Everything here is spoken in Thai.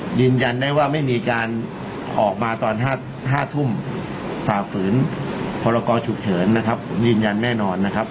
ฉันต้องติดในซอยเนี่ยไม่มีการเฝาฝืนในของและกอแย่นอนนะครับ